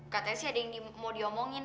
katanya sih ada yang mau diomongin